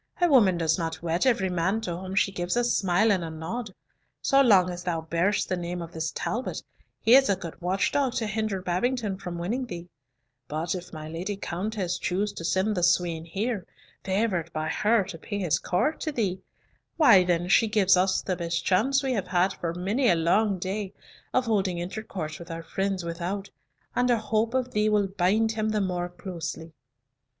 A woman does not wed every man to whom she gives a smile and a nod. So long as thou bear'st the name of this Talbot, he is a good watch dog to hinder Babington from winning thee: but if my Lady Countess choose to send the swain here, favoured by her to pay his court to thee, why then, she gives us the best chance we have had for many a long day of holding intercourse with our friends without, and a hope of thee will bind him the more closely."